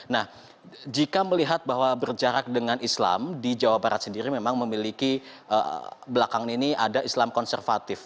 nah jika melihat bahwa berjarak dengan islam di jawa barat sendiri memang memiliki belakang ini ada islam konservatif